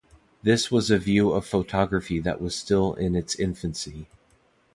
This was a view of photography that was still in its infancy.